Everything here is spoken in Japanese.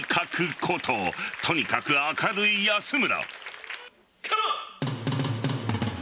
こととにかく明るい安村。